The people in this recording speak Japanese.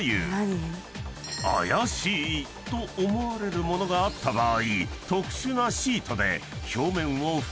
［怪しいと思われる物があった場合］